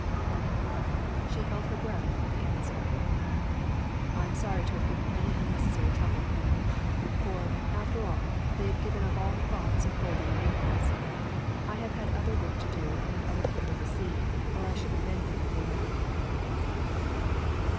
"Well?" She held her breath for the answer. "I am sorry to have given any unnecessary trouble, ma'am; for, after all, they've given up all thoughts of holding an inquest. I have had other work to do and other people to see, or I should have been here before now."